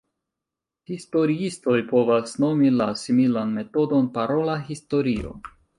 Historiistoj povas nomi la similan metodon parola historio.